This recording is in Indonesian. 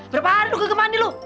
berapa hari lo gak mandi lo